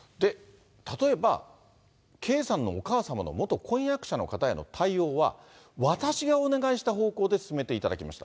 例えば圭さんのお母様の元婚約者の方への対応は、私がお願いした方向で進めていただきました。